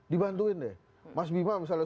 dibantuin deh mas bima misalnya